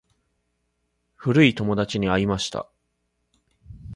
古い友達に会いました。